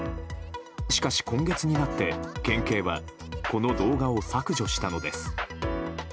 しかし、今月になって県警はこの動画を削除したのです。